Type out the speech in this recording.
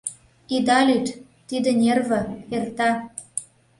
Ида лӱд... тиде нерве... эрта...